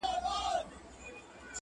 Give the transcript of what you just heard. هر زړه پټ درد ساتي تل-